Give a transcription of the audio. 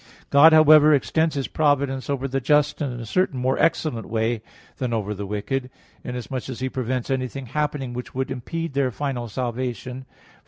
God, however, extends His providence over the just in a certain more excellent way than over the wicked; inasmuch as He prevents anything happening which would impede their final salvation.